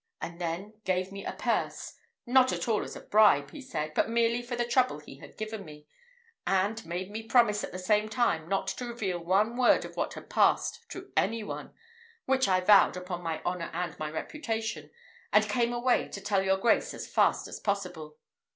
He then gave me a purse, not at all as a bribe, he said, but merely for the trouble he had given me; and made me promise at the same time not to reveal one word of what had passed to any one, which I vowed upon my honour and my reputation, and came away to tell your grace as fast as possible."